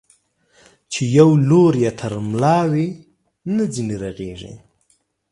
چي يو لور يې تر ملا وي، نه ځيني رغېږي.